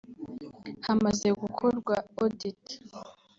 Hamaze gukorwa Audit